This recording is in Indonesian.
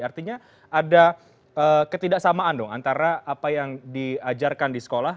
artinya ada ketidaksamaan dong antara apa yang diajarkan di sekolah